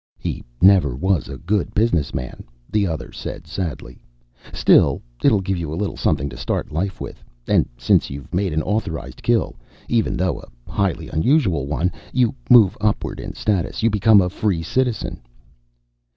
"He never was a good businessman," the other said sadly. "Still, it'll give you a little something to start life with. And since you've made an authorized kill even though a highly unusual one you move upward in status. You become a Free Citizen."